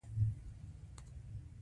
د وېښتیانو لمر ته ایښودل یې زیانمنوي.